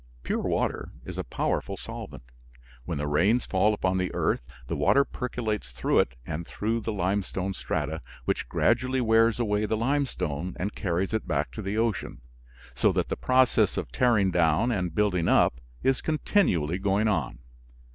Pure water is a powerful solvent. When the rains fall upon the earth the water percolates through it and through the limestone strata, which gradually wears away the limestone and carries it back to the ocean, so that the process of tearing down and building up is continually going on.